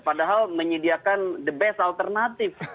padahal menyediakan the best alternatif